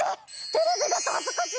テレビだと恥ずかしい！